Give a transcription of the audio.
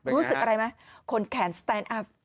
รู้สึกอะไรไหมคนแขนสแตนอัพ